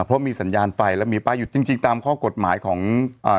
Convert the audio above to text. เพราะมีสัญญาณไฟแล้วมีป้ายหยุดจริงจริงตามข้อกฎหมายของอ่า